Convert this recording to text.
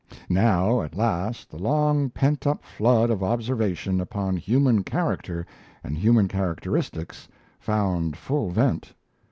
Now at last the long pent up flood of observation upon human character and human characteristics found full vent.